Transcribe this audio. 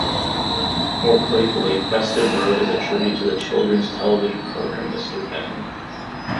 More playfully, "Festive Road" is a tribute to the children's television programme Mr Benn.